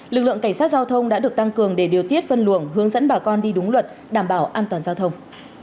lực lượng cảnh sát giao thông đã được tăng cường để điều tiết phân luồng hướng dẫn bà con đi đúng luật đảm bảo an toàn giao thông